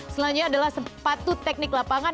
selanjutnya adalah sepatu teknik lapangan